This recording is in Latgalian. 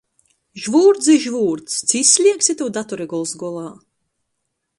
Žvūrdz i žvūrdz, ci izsliegsi tū datori gols golā?